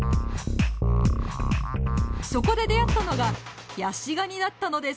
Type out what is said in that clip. そこで出会ったのがヤシガニだったのです！